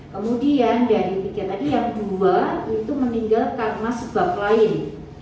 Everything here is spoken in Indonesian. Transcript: kemudian dari tiga tadi yang dua itu meninggal karena sebab lain